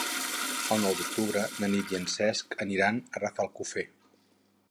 El nou d'octubre na Nit i en Cesc aniran a Rafelcofer.